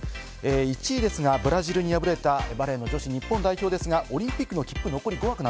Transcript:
１位ですがブラジルに敗れたバレーの女子日本代表ですが、オリンピックの切符、残り５枠。